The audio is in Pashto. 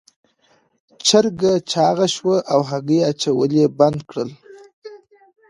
چرګه چاغه شوه او هګۍ اچول یې بند کړل.